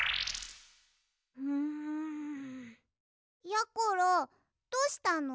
やころどうしたの？